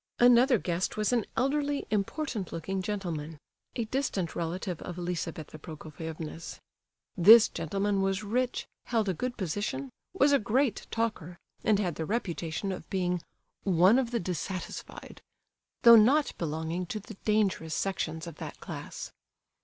Another guest was an elderly, important looking gentleman, a distant relative of Lizabetha Prokofievna's. This gentleman was rich, held a good position, was a great talker, and had the reputation of being "one of the dissatisfied," though not belonging to the dangerous sections of that class.